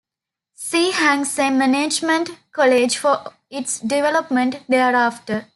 See Hang Seng Management College for its development thereafter.